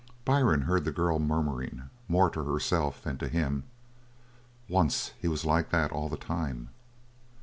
Byrne heard the girl murmuring, more to herself than to him: "Once he was like that all the time."